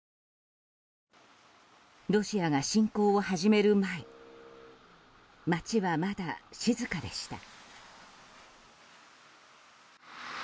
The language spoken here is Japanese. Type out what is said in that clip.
ロシアが侵攻を始める前街はまだ静かでした。